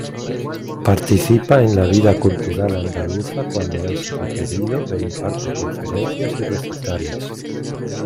Participa en la vida cultural andaluza cuando es requerido e imparte conferencias y recitales.